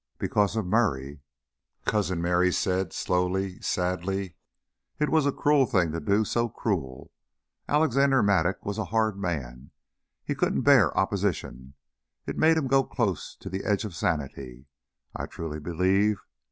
"Because of Murray," Cousin Merry said slowly, sadly. "It was a cruel thing to do, so cruel. Alexander Mattock was a hard man. He couldn't bear opposition; it made him go close to the edge of sanity, I truly believe.